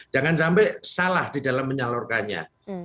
jangan sampai salah di dalam menyalurkannya